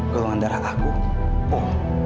golongan darah aku o